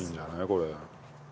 これ。